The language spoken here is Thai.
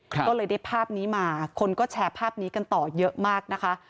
ก็เลยได้ภาพนี้มาคนก็แชร์ภาพนี้กันต่อเยอะมากนะคะ